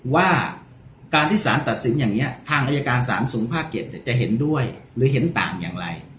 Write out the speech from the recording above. ว่าการที่สารตัดสินอย่างนี้ทางอายการสารสูงภาค๗จะเห็นด้วยหรือเห็นต่างอย่างไร